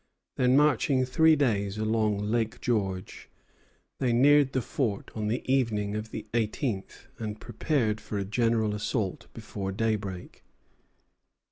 Then, marching three days along Lake George, they neared the fort on the evening of the eighteenth, and prepared for a general assault before daybreak.